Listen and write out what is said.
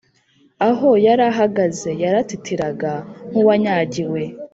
aho yarahagaze yaratitiraga nkuwanyagiwe.